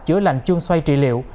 chữa lành chuông xoay trị liệu